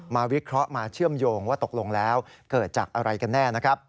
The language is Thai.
วิเคราะห์มาเชื่อมโยงว่าตกลงแล้วเกิดจากอะไรกันแน่นะครับ